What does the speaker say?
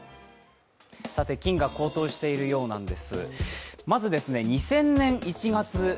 金が高騰しているようなんです。